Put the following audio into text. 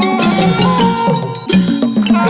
กลับมารับทราบ